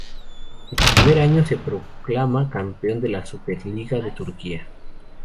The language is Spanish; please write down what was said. En su primer año se proclama campeón de la Superliga de Turquía.